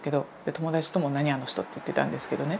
友達とも「何あの人」って言ってたんですけどね。